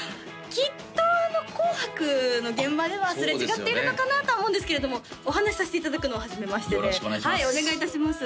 きっと「紅白」の現場ではすれ違っているのかなと思うんですけれどもお話しさせていただくのははじめましてでよろしくお願いします